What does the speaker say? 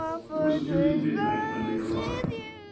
It was nearly midnight when they arrived.